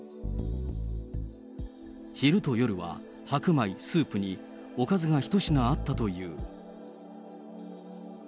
昼と夜は、白米、スープにおかずが一品あったという。